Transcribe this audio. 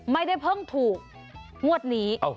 ไม่ได้เพิ่งถูกงวดนี้